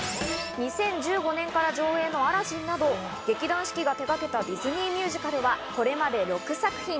２０１５年から上演の『アラジン』など、劇団四季が手がけたディズニーミュージカルはこれまで６作品。